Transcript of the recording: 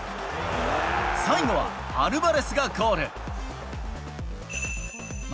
最後はアルバレスがゴール。